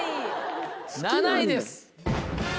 ７位です。